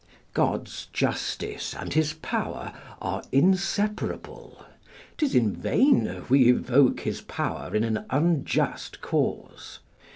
God's justice and His power are inseparable; 'tis in vain we invoke His power in an unjust cause.